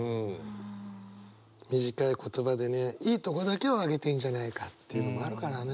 短い言葉でねいいとこだけをあげてんじゃないかっていうのもあるからね。